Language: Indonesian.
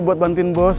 buat bantuin bos